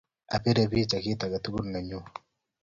Apire bicha kit ake tugul ne nennyu.